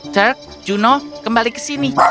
turk juno kembali ke sini